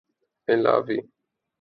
ملاوی